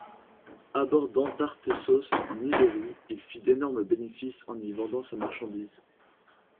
Abordant Tartessos en Ibérie, il fit d'énormes bénéfices en y vendant sa marchandise.